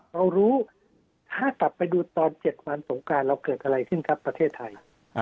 เรารู้ถ้ากลับไปดูตอน๗วันสงการเราเกิดอะไรขึ้นครับประเทศไทย